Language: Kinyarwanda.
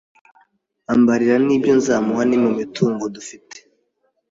ambarira n’ibyo nzamuha mumitungo dufite